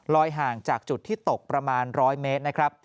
ลอยห่างจากจุดที่ตกประมาณ๑๐๐เมตร